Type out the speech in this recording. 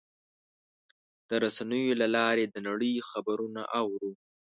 د رسنیو له لارې د نړۍ خبرونه اورو.